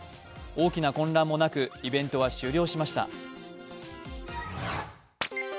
大きな混乱もなく、イベントは終了しました。